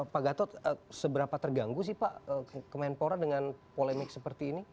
pak gatot seberapa terganggu sih pak kemenpora dengan polemik seperti ini